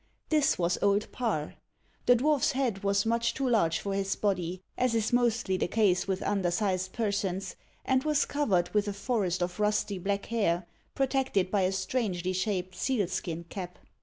This was Old Parr. The dwarfs head was much too large for his body, as is mostly the case with undersized persons, and was covered with a forest of rusty black hair, protected by a strangely shaped seal skin cap.